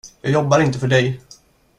Jag jobbar inte för dig.